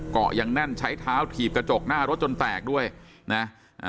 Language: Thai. เกาะยังแน่นใช้เท้าถีบกระจกหน้ารถจนแตกด้วยนะอ่า